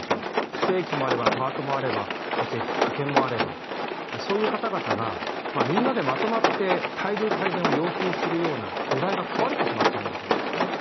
非正規もあれはパートもあれば、派遣もあれば、そういう方々が、みんなでまとまって待遇改善を要求するような土台が壊れてしまってるんだと思うんですね。